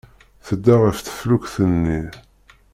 Tedda ɣef teflukt-nni.